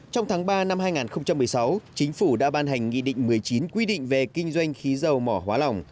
trong tháng ba năm hai nghìn một mươi sáu chính phủ đã ban hành nghị định một mươi chín quy định về kinh doanh khí dầu mỏ hóa lỏng